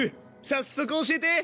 早速教えて！